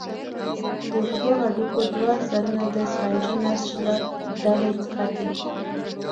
د اوږدو هډوکو دوه سرونه د سفنجي نسج له ډلې څخه دي.